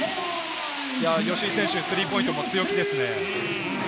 吉井選手、スリーポイントも強気ですね。